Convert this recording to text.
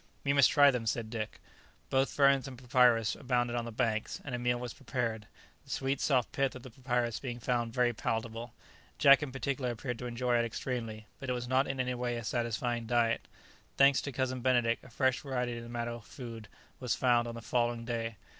"We must try them," said Dick. Both ferns and papyrus abounded on the banks, and a meal was prepared, the sweet soft pith of the papyrus being found very palatable. Jack in particular appeared to enjoy it extremely, but it was not in any way a satisfying diet. Thanks to Cousin Benedict, a fresh variety in the matter of food was found on the following day.